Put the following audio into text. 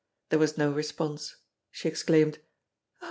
There was no response. She exclaimed: "Oh!